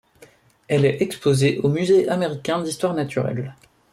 Elle est exposée au musée américain d'histoire naturelle.